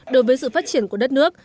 đối với sự phát triển của đất nước